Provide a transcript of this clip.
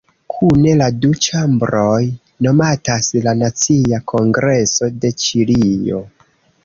Kune la du ĉambroj nomatas la "Nacia Kongreso de Ĉilio".